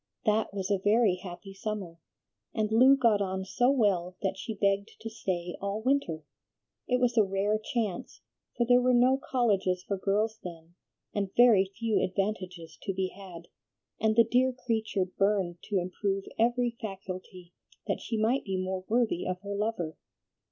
That was a very happy summer, and Lu got on so well that she begged to stay all winter. It was a rare chance, for there were no colleges for girls then, and very few advantages to be had, and the dear creature burned to improve every faculty, that she might be more worthy of her lover.